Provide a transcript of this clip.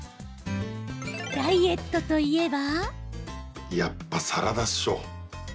ダイエットといえば。